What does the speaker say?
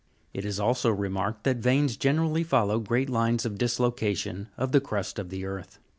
It is also remarked that veins generally follow great lines of dislocation of the crust of the earth.